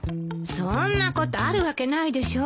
そんなことあるわけないでしょ。